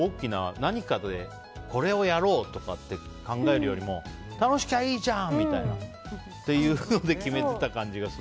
何かこれをやろうとかって考えるよりも楽しきゃいいじゃん！みたいに決めてた感じがする。